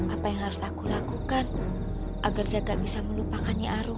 apa yang harus aku lakukan agar jaga bisa melupakannya arung